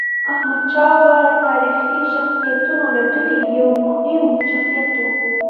احمدشاه بابا د تاریخي شخصیتونو له ډلې یو مهم شخصیت و.